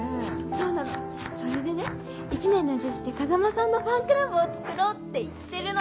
そうなのそれでね１年の女子で風間さんのファンクラブをつくろうって言ってるの。